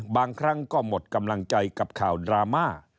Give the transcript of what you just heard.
บางครั้งก็หมดกำลังใจกับข่าวดราม่า